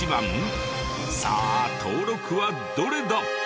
さあ登録はどれだ？